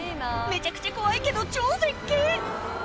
めちゃくちゃ怖いけど超絶景